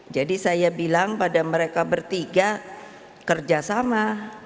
jadi saya bilang pada mereka bertiga kerjasama